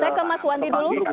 saya ke mas wandi dulu